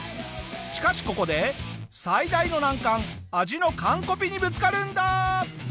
しかしここで最大の難関味の完コピにぶつかるんだ！